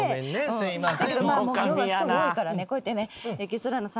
すいません。